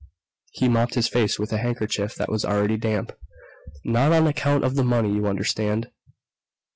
He mopped his face with a handkerchief that was already damp. "Not on account of the money, you understand.